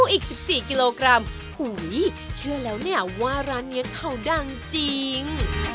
อีก๑๔กิโลกรัมหูยเชื่อแล้วเนี่ยว่าร้านนี้เขาดังจริง